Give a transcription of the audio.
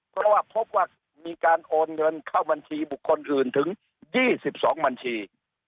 เพราะว่าพบว่ามีการโอนเงินเข้าบัญชีบุคคลอื่นถึง๒๒บัญชี